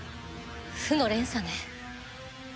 負の連鎖ね。